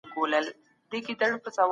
د زړه په هر درب